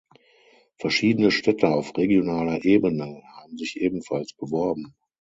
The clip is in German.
Verschiedene Städte auf regionaler Ebene haben sich ebenfalls beworben.